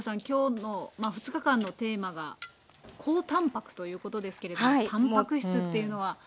今日の２日間のテーマが高たんぱくということですけれどもたんぱく質というのは。